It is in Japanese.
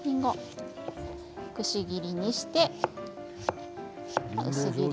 くし切りにして薄切り。